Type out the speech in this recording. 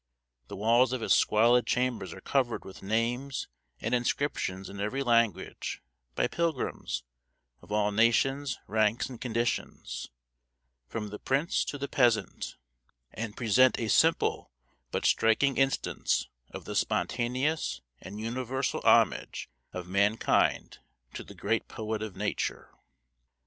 The walls of its squalid chambers are covered with names and inscriptions in every language by pilgrims of all nations, ranks, and conditions, from the prince to the peasant, and present a simple but striking instance of the spontaneous and universal homage of mankind to the great poet of Nature.